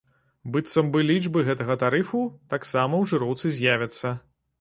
Быццам бы, лічбы гэтага тарыфу таксама ў жыроўцы з'явяцца.